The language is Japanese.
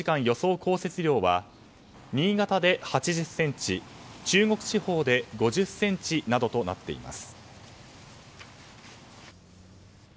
降雪量は新潟で８０ｃｍ、中国地方で５０ｃｍなどとなっています。